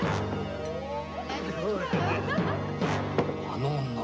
あの女！